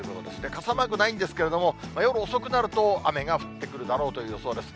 傘マークないんですけども、夜遅くなると、雨が降ってくるだろうという予想です。